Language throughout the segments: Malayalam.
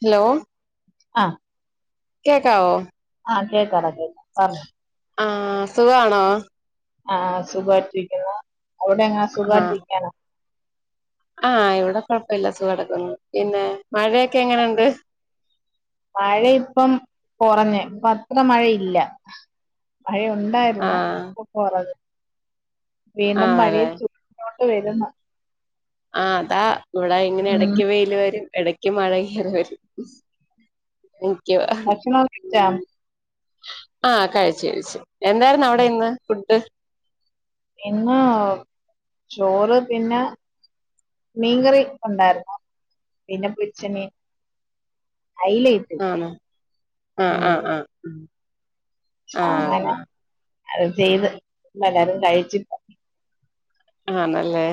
ഹലോ ആഹ് കേക്കാവോ? ആഹ് കേക്കാടാ കേക്കാം പറഞ്ഞോ ആഹ് സുഖണോ? ആഹ് സുഖവായിട്ടിരിക്കുന്നു. അവിടെങ്ങാ ആഹ് സുഖവായിട്ടിരിക്കണോ? ആഹ് ഇവിടെ കൊഴപ്പില്ല സുഖടിക്കൊന്നു, പിന്നെ മഴയൊക്കെ എങ്ങനുണ്ട്? മഴ ഇപ്പം കൊറഞ് ഇപ്പത്ര മഴയില്ല. മഴയുണ്ടായിര്നന്ന്, ആഹ് ഇപ്പൊ കൊറവ് വീണ്ടും ആണല്ലേ മഴിം [unintelligible] നോട്ട് വരുന്നു ആഹ് അതാ ഇവിടെ ഇങ്ങനെ ഉം എടക്ക് വെയിൽ വരും, എടക്ക് മഴയുംങ്ങനെ വെരും ന്കുവാ ഭക്ഷണം കഴിച്ചാ മ്, ആഹ് കഴിച്ച്, കഴിച്ച് എന്തായിരുന്നു അവിടെ ഉം. ഇന്ന് ഫുഡ്? ഇന്ന് ചോറ് പിന്നെ മീൻകറി ഉണ്ടായിരുന്നു പിന്നെ പൊര്ച്ച മീൻ അയിലയും ആണോ ആഹ് ആഹ് ആഹ് അങ്ങനെ ആഹ് അത് ചെയ്ത് എല്ലരും കഴിച്ചിപ്പൊ ആണല്ലേ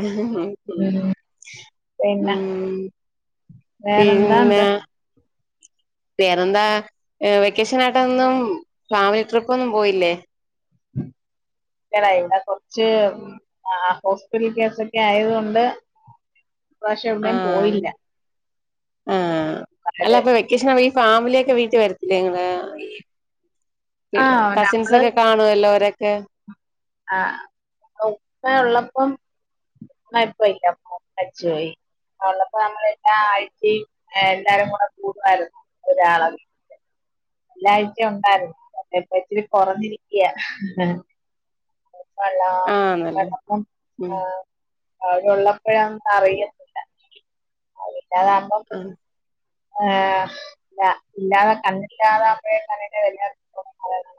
ഉ ഉം പിന്നെ മ് വേറെന്താ ഉണ്ട് പിന്നെ വേറെന്താ ഏ വെക്കേഷനായിട്ടൊന്നും ഫാമിലി ട്രിപ്പൊന്നും പോയില്ലേ? ല്ലടാ ഇവിടെ കൊർച്ച് ആഹ് ഹോസ്പിറ്റൽ കേസൊക്കെ ആയത് കൊണ്ട് ഇപ്പ്രാവശ്യം എവിടേം ആഹ് പോയില്ല ആഹ് അവര് അല്ലപ്പൊ വെക് ക്കേശനാവുമ്പോ ഈ ഫാമിലിയൊക്കെ വീട്ടി വരത്തില്ലേ ഇങ്ങളെ ആ ആഹ് നമ്മള് കസിൻസൊക്കെ കാണ് ണുവല്ലോരൊക്കെ ആഹ് ഉപ്പയുള്ളപ്പം ഉപ്പ ഇല്ലപ്പ മര്ച്ച് പോയി അഹ് ഉള്ളപ്പോ നമ്മളെല്ലാ ആഴ്ചയും എല്ലാരും കൂടെ കൂടുവായിരുന്നു ഒരാള വീട്ടി ല്ലായ്ച്ചയും ഉണ്ടായിരുന്നു പക്ഷേ ഇപ്പ ഇത്തിരി കൊറഞ്ഞിരിക്കയാ ഇപ്പള്ള ആഹ് നല്ലേ പട്ക്കം ഉം ആഹ് അവരുള്ളപ്പോഴൊന്നും അറിയത്തില്ല അതില്ലാതാവുമ്പം ആഹ് ആഹ് ഇല്ല ഇല്ലാതെ കണ്ണില്ലാതാവുമ്പഴേ കണ്ണിന്റെ വെലയറിയുന്ന് പറയ്ന്നെ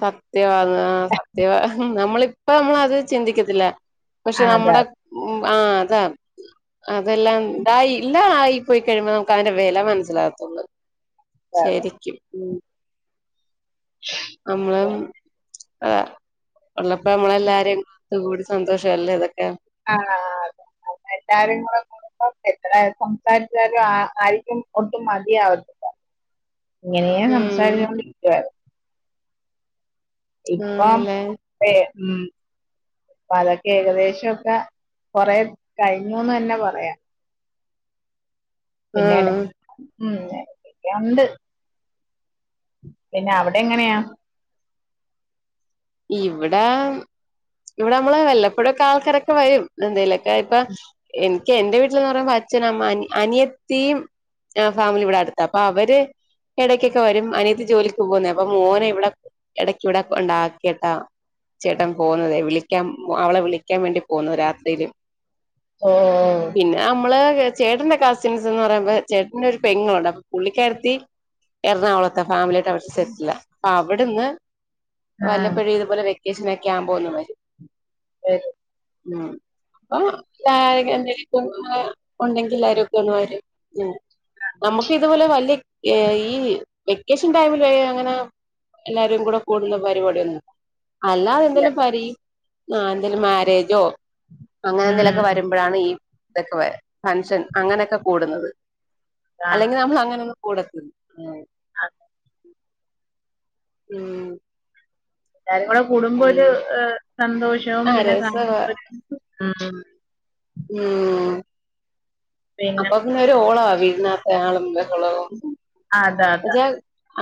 സത്യവാന്ന് ആഹ് സത്യവാ നമ്മളിപ്പ നമ്മളത് ചിന്തിക്കത്തില്ല പക്ഷെ അതെ നമ്മുടെ ഉം ആഹ് അതാന്ന് അതെല്ലാംണ്ടായില്ലാ ഇ പോയി കഴിയുമ്പോ നമുക്ക് അതിന്റെ വെല മനസ്സിലാവതുള്ളു അതെ അതെ ശെരിക്കും [inaudible] അമ്മളം അതാ ഉള്ളപ്പോ നമ്മളെല്ലാരും ഒത്കൂടി സന്തോഷല്ലേ ഇതൊക്കെ ആഹ് അതെ അതെല്ലാരും കൂടെ കൂടുമ്പം എത്ര സംസാരിച്ചാലും ആഹ് ആരിക്കും ഒട്ടും മതിയാവില്ല ഇങ്ങനെയേ ഉം സംസാരിച്ചോണ്ടിരിക്കുവായിരുന്നു ഇപ്പം ആണല്ലേ ഏ ഉം അപ്പൊ അതൊക്കെ ഏകദേശൊക്കെ കൊറെ കഴിഞ്ഞുന്ന് തന്നെ പറയാം പിന്നെട ആഹ് ഉം ഉണ്ട് പിന്നെ അവിടെ എങ്ങനെയാ ഇവിടെ ഇവിടെ നമ്മള് വല്ലപ്പോഴും ആൾക്കാരൊക്കെ വരും എന്തെലൊക്കെ ഇപ്പൊ എനിക്ക് എന്റെ വീട്ടിലന്ന് പറയുമ്പോ അച്ഛന അമ്മ അനിയത്തിയും ആഹ് ഫാമിലി ഇവിടെ അടുത്ത അപ്പൊ അവര് ഇടയ്ക്കൊക്കെ വരും അനിയത്ത് ജോലിക്ക് പോകുന്നേ അപ്പ മോന ഇവിടെ ഇടയ്ക്ക് ഇവിടെ ഉണ്ട കേട്ടാ ചേട്ടൻ പോകുന്നതേ വിളിക്കാൻ അവളെ വിളിക്കാൻ വേണ്ടി പോകുന്നു രാത്രിൽ ഓ പിന്നെ നമ്മള് ചേട്ടന്റെ കസിൻസ് എന്ന് പറയുമ്പോ ചേട്ടന്റെ ഒരു പെങ്ങുണ്ട് അപ്പൊ പുള്ളിക്കാരിത്തി എറണാകുളത്തെ ഫാമിലിയ ആയിട്ട് അവടെ സെറ്റില്ല അപ്പ അവിടുന്ന് ആ വല്ലപ്പഴ ഇതുപോലെ വെക്കേഷൻ ഒക്കെ ആവുമ്പോ ഒന്നവരും ഏഹ് ഉം അപ്പ എന്തായാലും ഉണ്ടെങ്കിൽ ആരുംക്കണര നമുക്ക് ഇതുപോലെ വലിയ ഈ വെക്കേഷൻ ടൈമിൽ അങ്ങനെ എല്ലാരും കൂടെ കൂടുന്ന [unintelligible] അല്ല അതെന്തേലും പരി ആഹ് എന്തേ മാരേജോ അങ്ങനെ ഉം എന്തെലുമൊക്കെ വരുമ്പോഴാണ് ഈ ഇതൊക്കെ ഫൻഷൻ അങ്ങനെയൊക്കെ കൂടുന്നത് അല്ലെങ്കിൽ നമ്മൾ അങ്ങനെ ഒന്ന് കൊടുക്കുന്നു ആഹ് ഉം എല്ലാരും കൂടെ കൂടുമ്പോ ഒരു സന്തോഷവും ആ പിന്നെ രസവാ കാണുമ്പ ഉം ഉം പിന്നെ അപ്പൊ പിന്നൊരു ഓളവ വീടന്നാത്തെ ആളും ബഹളവും അതെ അതെ വച്ചാ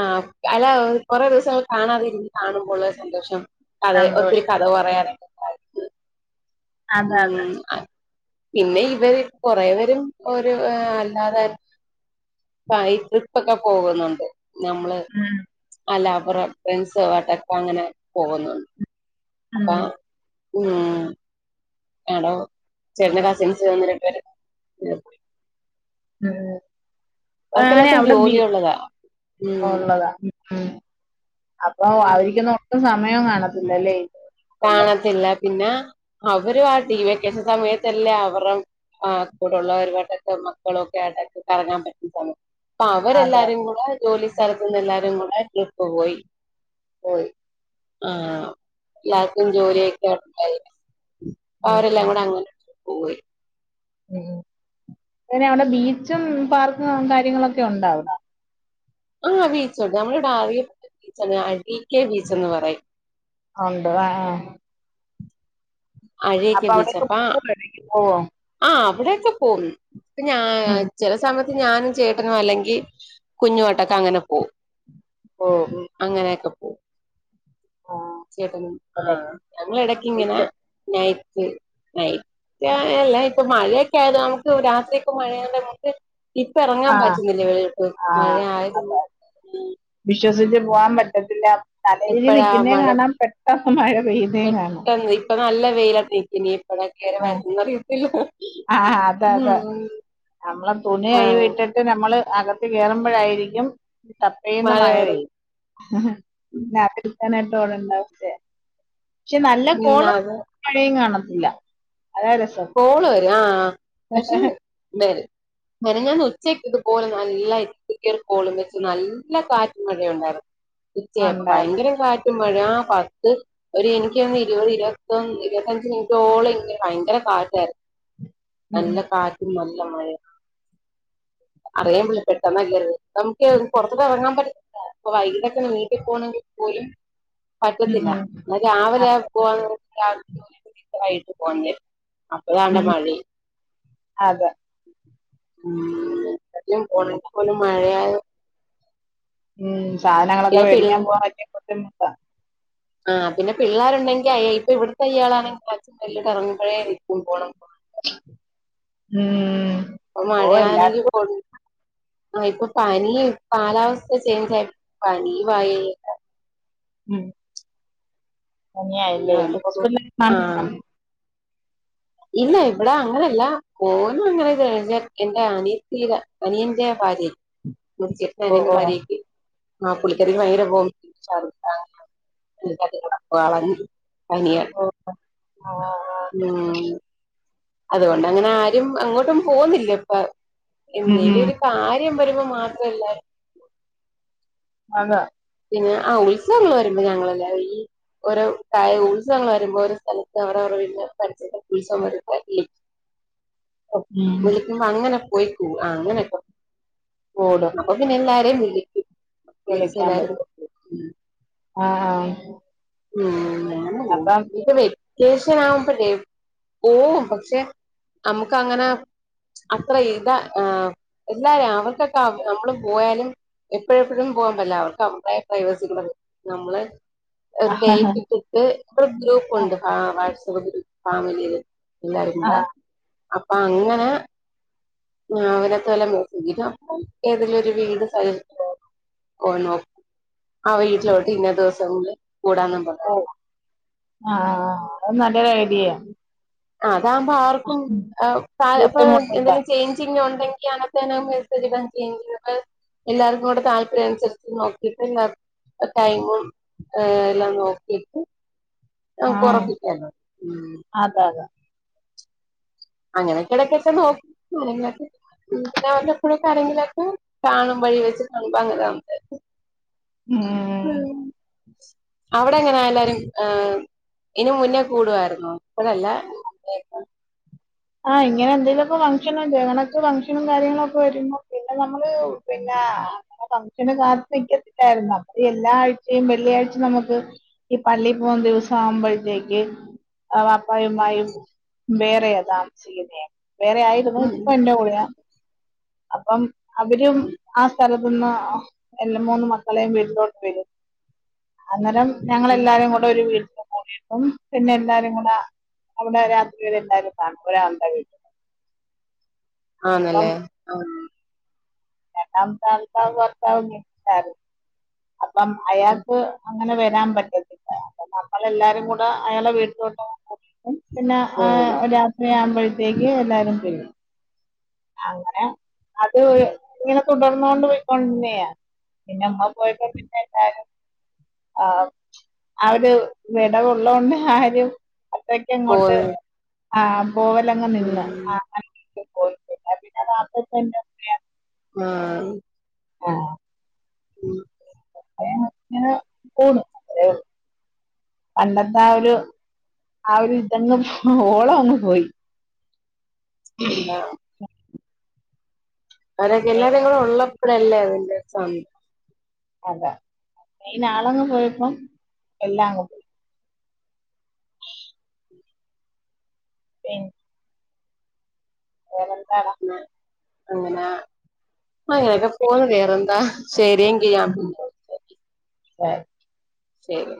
ആഹ് അല്ല കൊറെ ദിവസങ്ങൾ കാണാതിരിക്ക കാണുമ്പോള്ള സന്തോഷം കഥ ഒത്തിരി സന്തോഷം കഥ പറയാന അതെ ഉം അതെ പിന്നെ ഇവര് കൊറെവരും ഒരു അല്ലാതെ പയ് ട്രിപ്പൊക്കെ പോകുന്ന്ണ്ട് ഞമ്മള് ഉം അല്ലാവരെ ഫ്രണ്ട്സ്സൊട്ടക്കെ അങ്ങനെ പോകുന്നുണ്ട് അപ്പ ഉം ഉം ആടോ ചെല കസിൻസ് ഒന്ന് രണ്ട് പേര് ഉം ഉം പ്പാഅങ്ങനെ അവർക്കെല്ലാർക്കും അവിടെ ബിൽ ജോലി ഉള്ളതാ ഉം ക്കൊള്ളതാ ഉം അപ്പൊ അവരിക്കൊന്നും ഒട്ടും സമയോം കാണത്തില്ലല്ലെ കാണത്തില്ല പിന്നെ അവരും ആഹ് ടീ വെക്കേഷ സമയത്തല്ലേ അവറെ ആഹ് കൂടെള്ളവരുവാട്ടൊക്കെ മക്കളൊക്കെ ആയിട്ട്ക്കെ കറങ്ങാൻ പറ്റുന്ന് സമയം ആഹ് അതെ അവരെല്ലാരും കൂടെ ജോലി സ്ഥലത്ത്ന്നെല്ലാരും കൂടെ ട്രിപ്പ് പോയി പോയ്‌ ആഹ് ല്ലാർക്കും ജോലിയൊക്കെണ്ടല്ലൊ അപ്പ അവരെല്ലാം ഉം കൂടെ അങ്ങനെ ട്രിപ്പ്‌ പോയി ഉം പിന്നെ അവിടെ ബീച്ചും പാർക്കും കാര്യങ്ങളൊക്കെ ഉണ്ടാവടെ ആഹ് ബീച്ചുണ്ട് നമ്മളിവ്ടെ അറിയപ്പെട്ട ബീച്ചാണ് അഴീക്കെ ബീച്ചെന്ന് പറയും ഒണ്ട് ആഹ് അഴീക്കെ അപ്പൊ അവിടേക്ക് ബീച്ചപാ പോവോ ഇടക്ക് പോവോ ആഹ് അവിടെ‌ക്കെ പോവും പ്പംഞാ ഉം ചെല സമയത്ത് ഞാനും ചേട്ടനും അല്ലെങ്കി കുഞ്ഞുവാട്ടൊക്കെ അങ്ങനെ പോം ഓ ഉം അങ്ങനെയക്കെ പോം ആഹ് ചേട്ടനും അതെ ആഹ് ഞങ്ങളെടക്കിങ്ങനെ ബീച്ച് നൈറ്റ്‌ നൈറ്റാ ഇല്ല ഇപ്പൊ മഴയൊക്കെ ആയത് നമുക്ക് രാത്രിയൊക്കെ മഴയാണ്ട് നമ്മക്ക് ഇപ്പം എറങ്ങാൻ ആഹ് പറ്റുന്നില്ല വെളിലോട്ട് ആഹ് മഴയായത്കൊണ്ട് അതെ വിശ്വസിച്ച് പോകാൻ പറ്റത്തില്ല നല്ല രീതിൽ എപ്പഴാ നിൽക്കുന്നേം മഴ കാണാം പെട്ടെന്ന് മഴ പെയ്യുന്നേം കാണാം ഇപ്പ നല്ല വെയിലത്ത് നിക്കിനി എപ്പഴാ കേറി ആ വരുന്നെന്നറിയത്തില്ല ഉം ഞമ്മളെ ആഹ് തുണികഴുവിയിട്ട് ന്ന്ട്ട് ഞമ്മള് അകത്ത് കേറുമ്പോഴായിരിക്കും ഠപ്പേന്ന് മഴ പെയ്യും ന്നതെടുക്കാനായിട്ട് ഓടൺണ്ടാവുംല്ലെ ക്ഷെ നല്ല ഉം കോളും അതെ മഴയും കാണത്തില്ല അതാ രസം കോള് വെരും ആഹ് പഷെ വെരും മെനഞ്ഞാന്ന് ഉച്ചയ്ക്ക് ഇതുപോലെ നല്ല ഇരുട്ടിക്കലും കോളും വെച്ച് നല്ല കാറ്റുംമഴേം ഒണ്ടായിരുന്നു ഉച്ചയായപ്പോ ഉണ്ടായിരുന്നു ഭയങ്കര കാറ്റ് റ്റുംമഴ ആഹ് പത്ത് ഒരു എനിക്കോന്ന് ഇരുപത് ഇരുപത്തൊന്ന് ഇരുപത്തഞ്ച് മിനിറ്റോളം ഇങ്ങനെ ഭയങ്കര കാറ്റാരുന്ന് ഉം നല്ല കാറ്റും നല്ല മഴേം അറിയാൻ വയ്യ പെട്ടെന്നല്ലെത് നമു‌ക്കെ ഒന്ന് പൊറത്തോട്ടിറങ്ങാൻ പറ്റത്തിൽ റ്റാ വൈകിട്ടക്കൊന്ന് വീട്ടി പോണെങ്കി പോലും ഉം പറ്റത്തില്ല ഉം. നല്ല് രാവിലെ അ- പോവാന്ന് വെച്ച ജോലിയക്കെ തീർത്ത് വൈട്ട് പോകന്ന് വിചാരിക്കും അപ്പോതാണ്ടെ ഉം. മഴയും അതെ ആഹ് എട്ലേം പോണേൽ പോലും മഴയാ ഉം സാധനങ്ങളക്കെ പിന്നെ മേടിക്കാൻ പി പോവാനെക്കെ ബുദ്ധിമുട്ടാ ആഹ് പിന്നെ പിള്ളേരുണ്ടെങ്കി അയ് ഇപ്പവിടുത്തെ ഇയാളാണെങ്കി അച്ഛൻ വെളിലൊട്ടിറങ്ങുമ്പഴേ നിക്കും പോണം പോണം ഉം പ്പം ഓ മഴയാണെങ്കി എല്ലാവർക്കും കൊൺ ആഹ് ഇപ്പപനിം കാലാവസ്ഥ ചേഞ്ചായ് പനിം ആയ് ഉം പനിയായല്ലേ എന്തൊക്കോ ഹോസ്പിറ്റലിൽ ആഹ് കാണിച്ചില്ലേ ഇല്ല ഇവിടെ അങ്ങനെയല്ല ഓനങ്ങനെ കഴിഞ്ഞാ എന്റെ അനിയത്തീടെ അനിയന്റെ ഭാര്യ എന്റെ ചേട്ടന്റെ ഓ അനിയന്റെ ഓ ഭാര്യക്ക് ആഹ് പുള്ളിക്കാരിക്ക് ഭയങ്കര വോമിറ്റിംഗ് ശർദ്ധി ആഹ് ആഹ് ഈ ഭാഗത്ത് കൂടെ വളഞ്ഞ് പനിയാ ഓ ഒ ഓ ഉം അതുകൊണ്ടങ്ങനെ ആരും എങ്ങോട്ടും പോന്നില്ലിപ്പ ഉം എന്തേലും ഉം ഒര് കാര്യം വരുമ്പോ മാത്രം ല്ലാരും അതെ പിന്നെ ആ ഉത്സവങ്ങങ്ങൾ വരുമ്പോ ഞങ്ങളല്ല ഈ ഓരോ ക ഉത്സവങ്ങൾ വരുമ്പോ ഒരു സ്ഥലത്ത് അവരവരുടെ വീടീൻ്റെ പരിസരത്തൊക്കെ ഉത്സവം വരുംമ്പോ ഉം അങ്ങനെ പോയിക്കൂ ആഹ് അങ്ങനൊക്കെ ഓടും അപ്പം പിന്നെല്ലാരെയും വിളിക്കും വിളിച്ച് വിളിക്കാൻ എല്ലാരും പറ്റും ആഹ് ആഹ് ഉം ഇപ്പേ വെ കേശനാവുമ്പല്ലെ പോവും പക്ഷെ നമുക്ക് അങ്ങനെ അത്ര ഇതാ എല്ലാരും അവർക്കൊക്കെ നമ്മള് പോയാലും എപ്പോഴെപ്പോഴും പോകാൻ പറ്റില്ല അവർക്ക് അവര്ടെ പ്രൈവസികള് നമ്മള് ഒരു ഡേറ്റ് ഇട്ടിട്ട് ഇപ്പം ഗ്രൂപ്പുണ്ട് ആ വാട്സപ്പ് ഗ്രൂപ്പ് ഫാമിലിയിൽ ആ ഇല്ലാരന്താ അപ്പൊ അങ്ങനെ അവനത്പോലെ നോക്കി ഇത് ഏതെങ്കിലും ഒരു വീട് ഓ [unintelligible] ആ വീട്ടിലോട്ട് ഇന്ന ദിവസം കൂടാന്നും പറഞ് ഓ ആഹ് ആഹ് അത് നല്ലൊരു ഐഡിയെ ആ അതകുമ്പോ ആർക്കും ആഹ് അപ്പം ബുദ്ധിമുട്ടില്ല എന്തെങ്കിലും ചേഞ്ചിങ് ഉണ്ടെങ്ക്യാണ് [unintelligible] മെസെജ്ടാൻ [unintelligible] എല്ലാവർക്കുംടെ താല്പര്യം അനുസരിച്ച് നോക്കിട്ട് [unintelligible] ടൈമും എല്ലാം നോക്കിട്ട് നമുക്ക് ഒറപ്പിക്കാല്ലോ അത അത അങ്ങനെയൊക്കെ ഇടക്കൊക്കെ നോക്കും എന്നിട്ട് ഉം രാവിലെ എപ്പയോ [unintelligible] കാണുമ്പയേ [unintelligible] അങ്ങനാവും ഉം അവിടെ എങ്ങനെ എല്ലാരും ആഹ് ഇതിന് മുന്നേ കൂടുവായിരുന്നോ ഇപ്പഴല്ല മുന്നേ ഒക്കെ ആഹ് ഇങ്ങനെ എന്തെലുമൊക്ക ഫംഗ്ഷൻ ഇതെ കണക്ക് ഫംഗ്ഷനും കാര്യങ്ങളും ഒക്കെ വരുമ്പോ പിന്നെ നമ്മള് പിന്നെ ആഹ് ഫംഗ്ഷന് കാത്ത് നിക്കത്തില്ലായിരുന്നോ അപ്പം ഈ എല്ലാ ആഴ്ച്ചയും വെള്ളിയാഴ്ച്ച നമുക്ക് ഈ പള്ളി പോകുന്ന ദിവസം ആവുമ്പോഴത്തേക്ക് ആ വാപ്പായും ഉമ്മായും വേറെയാ താമ സിക്കുന്നേ വേറെ ആയിരുന്നു ഇപ്പൊ ഉം എന്റെ കൂടയാ അപ്പം അവരും ആ സ്ഥലത്ത് ന്ന് ആഹ് രണ്ട് മൂന്ന് മക്കളെയും വീട്ടിലോട്ട് വരും അന്നേരം ഞങ്ങൾ എല്ലാരും കൂടെ ഒരു വീട്ടിൽ കൂടിയിട്ട് അപ്പം പിന്നെ എല്ലാരും കൂടെ അവിടെ രാത്രി വരെ എല്ലാവരും കാണും ഒരാള്ടെ വീട്ടിൽ അപ്പം ആണ്ല്ലേ ആഹ് രണ്ടാമത്തെ ആളുടെ ഭർത്താവ് ഗൾഫിൽ ആയിരുന്നു അപ്പം അയാൾക്ക് അങ്ങനെ വരാൻ പറ്റത്തില്ല അപ്പോൾ നമ്മൾ എല്ലാരും കൂടെ അയാളെ വീട്ടിലോട്ടങ്ങ് പോകും പിന്നെ ഓ ആഹ് രാ വിലെ ആവുമ്പഴ്ത്തേക്ക് എല്ലാരും പിരിയും അങ്ങനെ അത് ഒര് ഇങ്ങനെ തുടർന്നോണ്ട് പോയികൊണ്ടിരുന്നയാ പിന്നെ ഉമ്മ പോയപ്പോ പിന്നെ എല്ലാരും ആഹ് ആ ഒരു വിടവുള്ളോണ്ട് ആരും അത്രക്ക് അങ്ങോട്ട് പോയി ആ പോവലങ്ങ് നിന്ന് ഉം ആ [unintelligible] [unintelligible] ആഹ് ആഹ് ഉം അങ്ങനെ പോണ് അത്രേ ഒള്ളൂ പണ്ടത്തെ ആ ഒരു ആ ഒരു ഇതങ്ങ് ഓളം അങ്ങ് പോയി [unintelligible] അവരൊക്കെ മെയിൻ എല്ലാവരും കൂടെ ഉള്ളപ്പോഴല്ലേ അതിന്റെ ഒരു സ അതെ മെയിൻ ആളങ്ങ് പോയപ്പോ എല്ലാം അങ്ങ് പോയി പി വേറെന്താടാ അ അങ്ങന അങ്ങനെക്കാ പോണ് വേറെന്താ ശരി എങ്കിൽ ശെരി ശരി